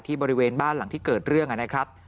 บริเวณบ้านหลังที่เกิดเรื่องนะครับ